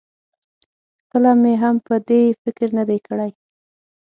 کله مې هم په دې فکر نه دی کړی.